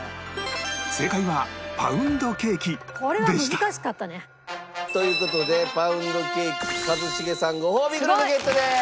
これは難しかったね。という事でパウンドケーキ一茂さんごほうびグルメゲットです！